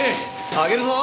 上げるぞ。